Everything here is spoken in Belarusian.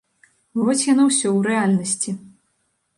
Вось яно усё ў рэальнасці.